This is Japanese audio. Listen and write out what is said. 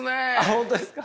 本当ですか。